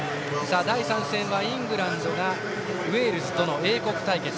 第３戦は、イングランドがウェールズとの英国対決。